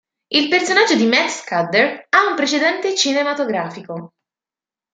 Il personaggio di Matt Scudder ha un precedente cinematografico.